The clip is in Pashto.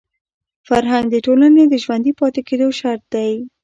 فرهنګ د ټولني د ژوندي پاتې کېدو شرط دی.